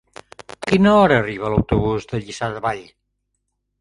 A quina hora arriba l'autobús de Lliçà de Vall?